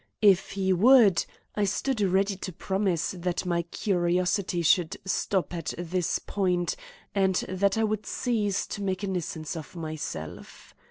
If he would, I stood ready to promise that my curiosity should stop at this point and that I would cease to make a nuisance of myself.